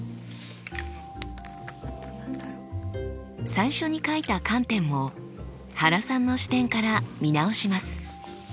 最初に書いた観点も原さんの視点から見直します。